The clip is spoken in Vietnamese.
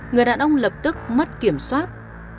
người đàn ông lập tức mất kiểm soát